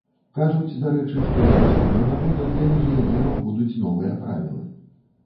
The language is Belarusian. Кажуць, дарэчы, што з наступнага года для легіянераў будуць новыя правілы.